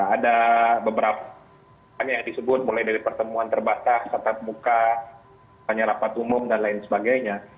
ada beberapa hanya yang disebut mulai dari pertemuan terbatas tatap muka tanya rapat umum dan lain sebagainya